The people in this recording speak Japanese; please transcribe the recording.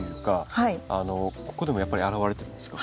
ここでもやっぱり表れてるんですか？